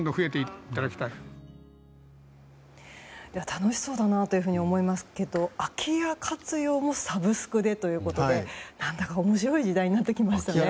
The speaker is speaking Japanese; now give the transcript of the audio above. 楽しそうだなと思いますけど空き家活用もサブスクでということで何だか面白い時代になってきましたね。